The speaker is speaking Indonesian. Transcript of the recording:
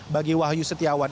bagi wahyu setiawan